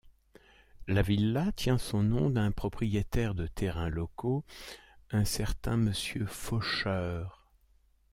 La villa tient son nom d'un propriétaire de terrains locaux, un certain monsieur Faucheur.